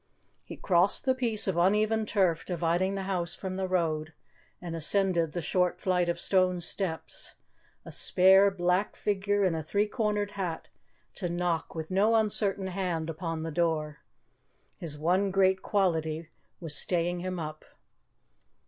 He crossed the piece of uneven turf dividing the house from the road, and ascended the short flight of stone steps, a spare, black figure in a three cornered hat, to knock with no uncertain hand upon the door. His one great quality was staying him up.